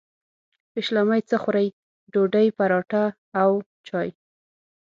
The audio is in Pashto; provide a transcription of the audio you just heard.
پیشلمۍ څه خورئ؟ ډوډۍ، پراټه او چاي